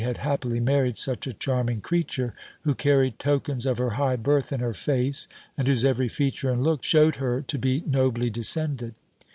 had happily married such a charming creature, who carried tokens of her high birth in her face, and whose every feature and look shewed her to be nobly descended.